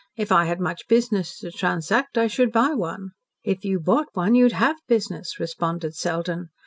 "If I had much business to transact, I should buy one." "If you bought one you'd HAVE business," responded Selden.